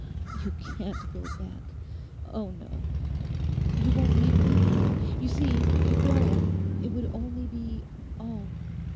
you can't go back; oh no. You won't leave me? You see, if you go, it would only be all.